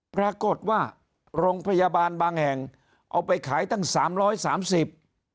ปรากฏว่าโรงพยาบาลบางแห่งเอาไปขายตั้งสามร้อยสามสิบ